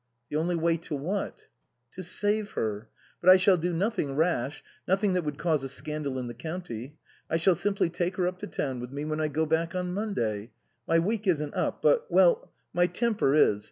" The only way to what ?" "To save her. But I shall do nothing rash, nothing that would cause a scandal in the county. I shall simply take her up to town with me when I go back on Monday. My week isn't up; but well my temper is.